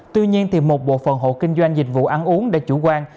tuy nhiên thì một bộ phần hộ kinh doanh dịch vụ ăn uống đã chủ quan